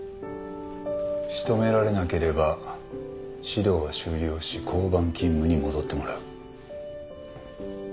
仕留められなければ指導は終了し交番勤務に戻ってもらう。